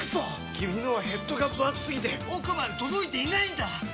君のはヘッドがぶ厚すぎて奥まで届いていないんだっ！